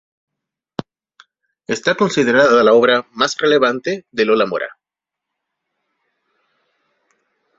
Está considerada la obra más relevante de Lola Mora.